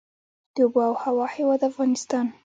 د اوبو او هوا هیواد افغانستان.